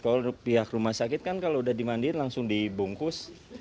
kalau pihak rumah sakit kan kalau udah dimandiin langsung dibungkus